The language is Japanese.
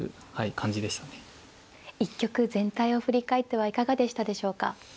一局全体を振り返ってはいかがでしたでしょうか。